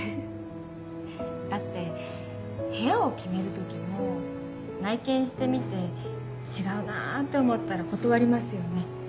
だって部屋を決める時も内見してみて「違うなぁ」って思ったら断りますよね？